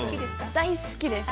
大好きです。